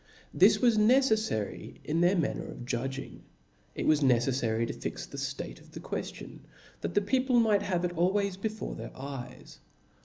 This was neceffary in their manner of . judging •, it was neceffary to fix the ftate of the queftion, that the people might have it always before their eyes.